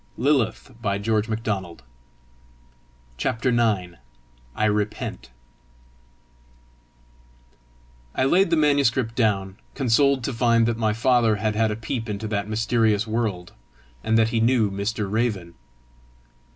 I rushed in terror from the place. CHAPTER IX. I REPENT I laid the manuscript down, consoled to find that my father had had a peep into that mysterious world, and that he knew Mr. Raven.